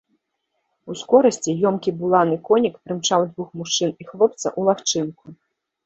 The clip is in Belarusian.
Ускорасці ёмкі буланы конік прымчаў двух мужчын і хлопца ў лагчынку.